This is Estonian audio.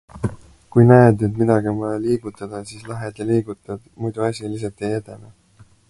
Kui näed, et midagi on vaja liigutada, siis lähed ja liigutad, muidu asi lihtsalt ei edene.